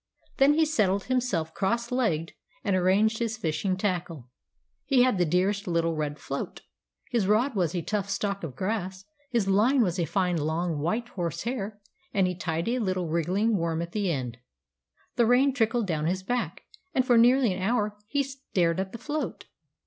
Then he settled himself cross legged and arranged his fishing tackle. He had the dearest little red float. His rod was a tough stalk of grass, his line was a fine long white horse hair, and he tied a little wriggling worm at the end. The rain trickled down his back, and for nearly an hour he stared at the float.